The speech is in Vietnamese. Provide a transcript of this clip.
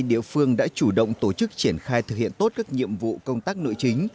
địa phương đã chủ động tổ chức triển khai thực hiện tốt các nhiệm vụ công tác nội chính